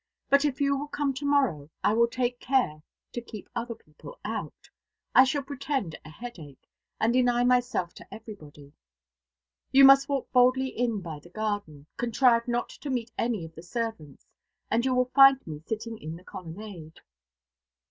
But if you will come to morrow, I will take care to keep other people out. I shall pretend a headache, and deny myself to everybody. You must walk boldly in by the garden, contrive not to meet any of the servants, and you will find me sitting in the colonnade.